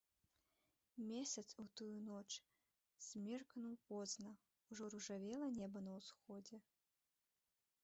Месяц у тую ноч змеркнуў позна, ужо ружавела неба на ўсходзе.